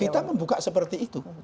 kita membuka seperti itu